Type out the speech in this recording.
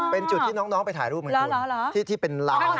เป็นจุดที่น้องไปถ่ายรูปไงคุณที่เป็นลาง